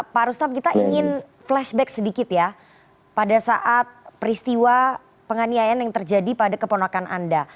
pak rustam kita ingin flashback sedikit ya pada saat peristiwa penganiayaan yang terjadi pada keponakan anda